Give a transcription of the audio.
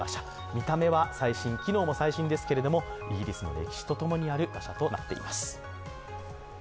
見た目は最新、機能も最新ですけれども、イギリスの歴史と共にある馬車となっています。